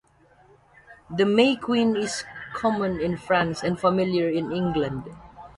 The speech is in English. The May Queen is common in France and familiar in England.